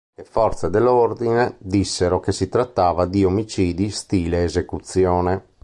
Le forze dell'ordine dissero che si trattava di omicidi stile-esecuzione.